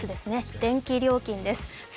電気料金です。